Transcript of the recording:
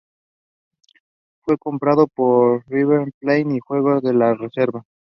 Fue comprado por River Plate y jugo en la reserva.